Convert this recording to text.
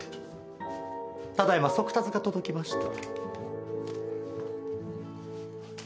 ただいま速達が届きました。